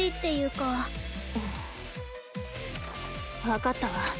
分かったわ。